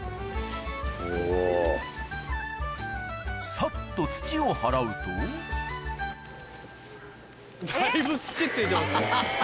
さっと土を払うとだいぶ土付いてますよ。